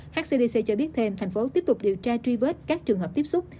hcdc cho biết thêm thành phố tiếp tục điều tra truy vết các trường hợp tiếp xúc